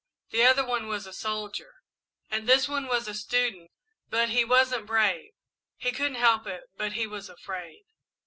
The other one was a soldier, and this one was a student, but he he wasn't brave. He couldn't help it, but he was afraid."